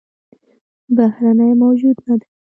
بهرنى موجود نه دى